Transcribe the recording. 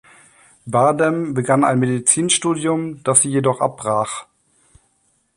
Bardem begann ein Medizinstudium, das sie jedoch abbrach.